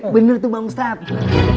bener tuh bang ustadz